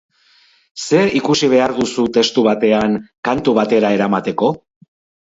Zer ikusi behar duzu testu batean, kantu batera eramateko?